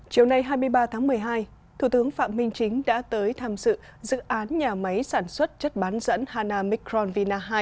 chiều nay hai mươi ba tháng một mươi hai thủ tướng phạm minh chính đã tới tham dự dự án nhà máy sản xuất chất bán dẫn hana micron vina hai